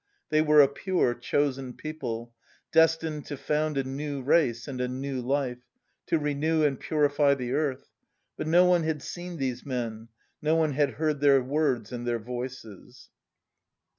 They were a pure chosen people, destined to found a new race and a new life, to renew and purify the earth, but no one had seen these men, no one had heard their words and their voices.